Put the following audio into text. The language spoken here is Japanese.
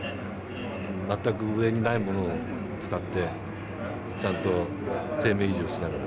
全く上にないものを使ってちゃんと生命維持をしながら。